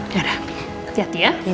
yaudah hati hati ya